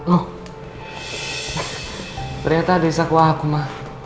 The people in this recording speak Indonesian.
oh ternyata ada di sakwa aku ma